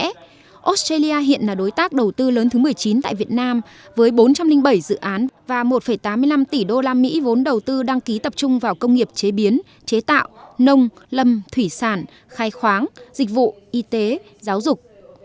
trong khi australia hiện là đối tác đầu tư lớn thứ một mươi chín tại việt nam với bốn trăm linh bảy dự án và một tám mươi năm tỷ usd vốn đầu tư đăng ký tập trung vào công nghiệp chế biến chế tạo nông lâm thủy sản khai khoáng dịch vụ y tế giáo dục